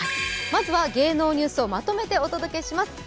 まずは芸能ニュースをまとめてお届けします。